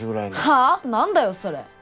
はあ⁉なんだよそれ！